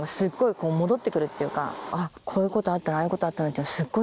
こう戻ってくるっていうか、あっ、こういうことあったな、ああいうことあったなって、すっごい